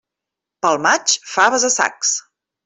Pel maig, faves a sacs.